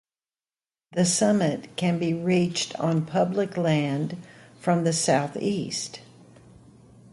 The summit can be reached on public land from the southeast.